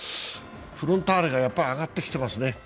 フロンターレが上がってきてますね。